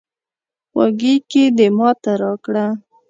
غوږيکې دې ماته راکړه